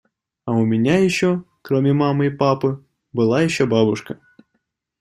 А у меня ещё, кроме мамы и папы, была ещё бабушка.